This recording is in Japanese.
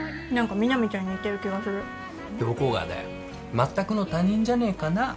まったくの他人じゃねえかなっ？